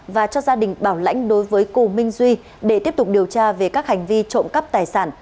và cho gia đình bảo lãnh đối với cù minh duy để tiếp tục điều tra về các hành vi trộm cắp tài sản